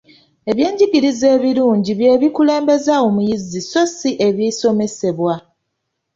Ebyenjigiriza ebirungi bye bikulembeza omuyizi sso si ebisomesebwa.